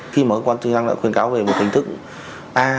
khi mở quán truyền thông đã khuyên cáo về một hình thức a